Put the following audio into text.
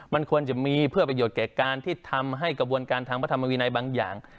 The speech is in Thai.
มันควรจะมีเพื่อประโยชน์แก่การที่ทำให้กระบวนการทางพระธรรมวินัยบางอย่าง